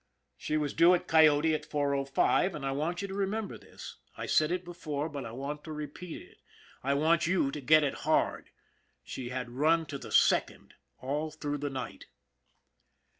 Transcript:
She was due at Coyote at 4.05, and I want you to remember this I said it before, but I want to repeat it. I want you to get it hard she had run to the second all through the night.